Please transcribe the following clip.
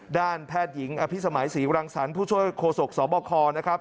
ด้านแพทย์หญิงอภิษมัยศรีรังสรรค์ผู้ช่วยโคศกสบคนะครับ